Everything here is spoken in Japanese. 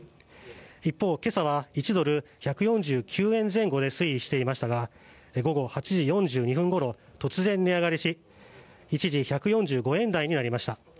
一方、今朝は１ドル＝１４９円前後で推移していましたが午前８時４２分ごろ突然、値上がりし一時、１４５円台になりました。